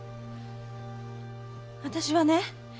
私はね